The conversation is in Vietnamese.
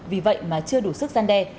vì vậy mà chưa đủ sức gian đe